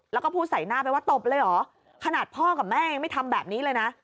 แล้วก็พูดใส่หน้าไปว่าตบเลยเหรอขนาดพ่อกับแม่ยังไม่ทำแบบนี้เลยนะ